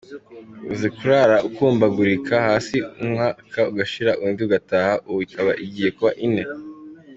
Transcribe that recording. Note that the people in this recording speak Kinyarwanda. Uzi kurara ukumbagurika hasi umwaka ugashira undi ugataha ubu ikaba igiye kuba ine?”.